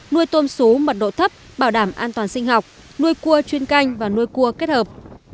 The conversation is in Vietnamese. nuôi tôm xú mật độ thấp bảo đảm an toàn sinh học nuôi cua chuyên canh và nuôi cua kết hợp